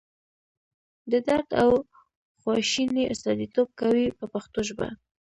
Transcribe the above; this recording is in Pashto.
د درد او خواشینۍ استازیتوب کوي په پښتو ژبه.